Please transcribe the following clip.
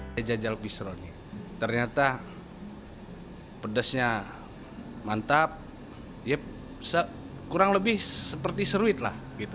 jajal jajal bistro ini ternyata pedasnya mantap kurang lebih seperti seruit lah